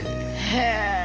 へえ！